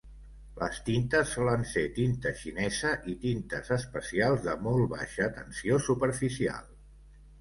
Les tintes solen ser tinta xinesa i tintes especials de molt baixa tensió superficial.